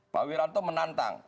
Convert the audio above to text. pak wiranto menantang